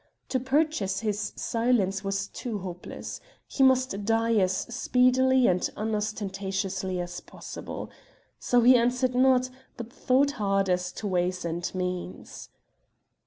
To purchase his silence was too hopeless. He must die as speedily and unostentatiously as possible. So he answered not, but thought hard as to ways and means.